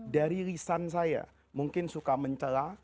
dari lisan saya mungkin suka mencela